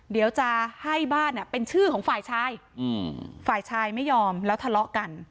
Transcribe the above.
เดี๋ยวจะให้บ้านเป็นชื่อของฝ่ายชายฝ่ายชายไม่ยอมแล้วทะเลาะกัน